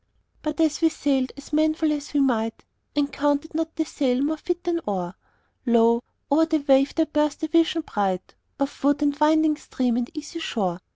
"But as we sailed as manful as we might, And counted not the sail more fit than oar, Lo! o'er the wave there burst a vision bright Of wood, and winding stream, and easy shore.